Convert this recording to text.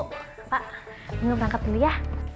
bu pak ini mau bangkat dulu ya